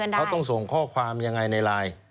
เขาต้องส่งข้อความยังไงในไลน์